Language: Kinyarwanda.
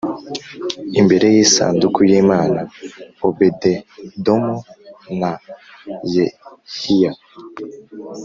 imbere y isanduku y Imana Obededomu na Yehiya